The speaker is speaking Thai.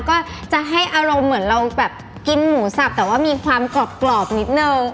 ก็จะให้อารมณ์เหมือนเราแบบกินหมูสับแต่ว่ามีความกรอบนิดนึง